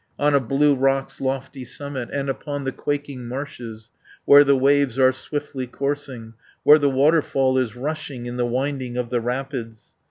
On a blue rock's lofty summit, And upon the quaking marshes, Where the waves are swiftly coursing, 250 Where the waterfall is rushing, In the winding of the rapids.